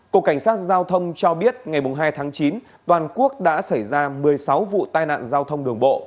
cục cảnh sát giao thông cho biết ngày hai tháng chín toàn quốc đã xảy ra một mươi sáu vụ tai nạn giao thông đường bộ